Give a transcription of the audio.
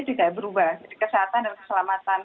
tidak berubah jadi kesehatan dan keselamatan